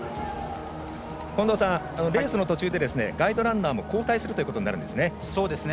近藤さん、レースの途中でガイドランナーも交代するということになるんですね。